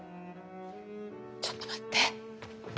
ちょっと待って。